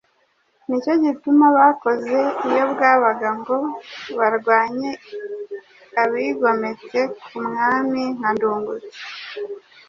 Nicyo gituma bakoze iyo bwabaga ngo barwanye abigometse ku mwami nka Ndungutse